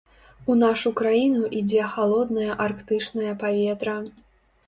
У нашу краіну ідзе халоднае арктычнае паветра.